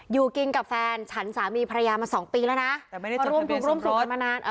อยู่กรีงกับแฟนฉันสามีภรรยามา๒ปีแล้วนะ